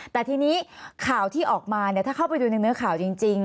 แต่ทีนี้ข่าวที่ออกมาถ้าเข้าไปดูในเนื้อข่าวจริง